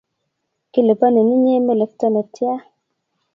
Kilipanin inye melekto netia?